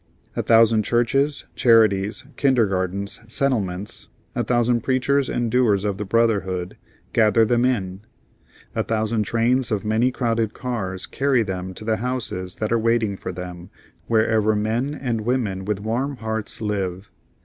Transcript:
A thousand churches, charities, kindergartens, settlements, a thousand preachers and doers of the brotherhood, gather them in. A thousand trains of many crowded cars carry them to the homes that are waiting for them wherever men and women with warm hearts live.